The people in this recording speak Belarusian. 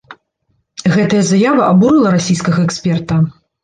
Гэтая заява абурыла расійскага эксперта.